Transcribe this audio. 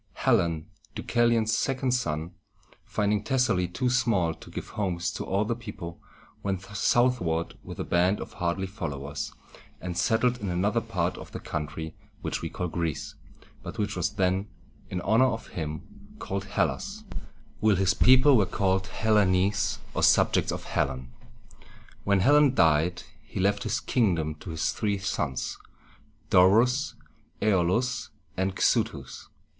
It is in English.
Hellen, Deucalion's second son, finding Thessaly too small to give homes to all the people, went southward with a band of hardy followers, and settled in another part of the country which we call Greece, but which was then, in honor of him, called Hellas, while his people were called Hel le´nes, or subjects of Hellen. When Hellen died, he left his kingdom to his three sons, Do´rus, Æ´o lus, and Xu´thus.